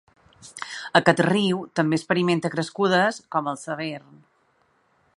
Aquest riu també experimenta crescudes com el Severn.